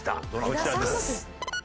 こちらです。